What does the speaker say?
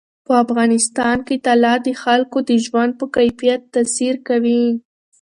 په افغانستان کې طلا د خلکو د ژوند په کیفیت تاثیر کوي.